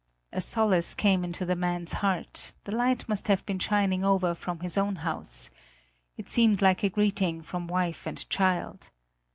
A solace came into the man's heart: the light must have been shining over from his own house. It seemed like a greeting from wife and child.